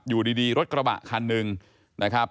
อยู่ดีรถกระบะคันหนึ่งนะครับ